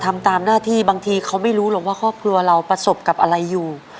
ทำตามหน้าที่บางทีเขาไม่รู้หรอกว่าครอบครัวเราประสบกับอะไรอยู่